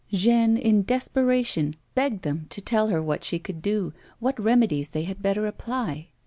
Jeanne, in desperation, begged them to tell her what she could do, what remedies they had better apply.